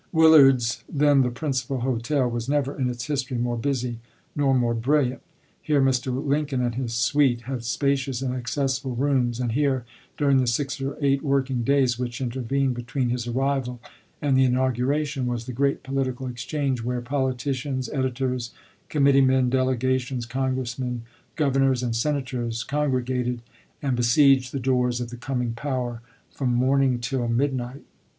Willard's, then the principal hotel, was never in its history more busy nor more brilliant. Here Mr. Lincoln and his suite had spacious and accessible rooms, and here, during the six or eight working days which intervened between his arrival and the inau guration, was the great political exchange where politicians, editors, committee men, delegations, Congressmen, Governors, and Senators congre gated, and besieged the doors of the coming power from morning till midnight.